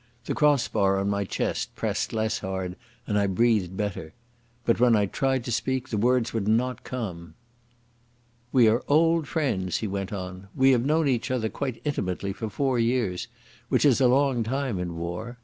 The cross bar on my chest pressed less hard and I breathed better. But when I tried to speak, the words would not come. "We are old friends," he went on. "We have known each other quite intimately for four years, which is a long time in war.